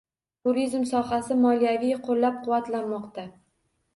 Turizm sohasi moliyaviy qo‘llab-quvvatlanmoqda